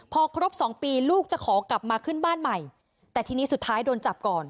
พอครบสองปีลูกจะขอกลับมาขึ้นบ้านใหม่แต่ทีนี้สุดท้ายโดนจับก่อน